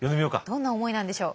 どんな思いなんでしょう。